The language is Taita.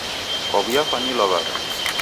Kwaw'iafwanilwa w'ada?